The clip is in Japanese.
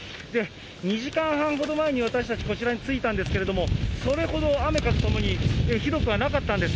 ２時間半ほど前に私たちこちらに着いたんですけれども、それほど雨風ともにひどくはなかったんです。